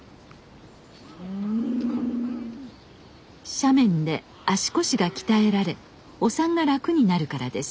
斜面で足腰が鍛えられお産が楽になるからです。